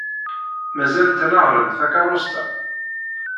Mazal tnehhṛem takeṛṛust-a?